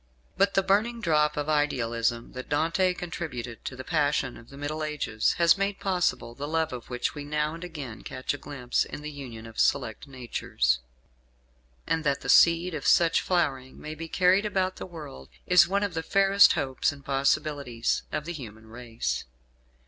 But the burning drop of idealism that Dante contributed to the passion of the Middle Ages has made possible the love of which we now and again catch a glimpse in the union of select natures. And that the seed of such flowering may be carried about the world is one of the fairest hopes and possibilities of the human race.